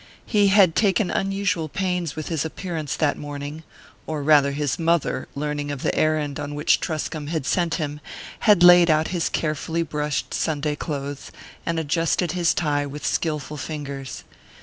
He had taken unusual pains with his appearance that morning or rather his mother, learning of the errand on which Truscomb had sent him, had laid out his carefully brushed Sunday clothes, and adjusted his tie with skilful fingers.